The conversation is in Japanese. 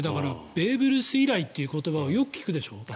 ベーブ・ルース以来という言葉をよく聞くでしょ。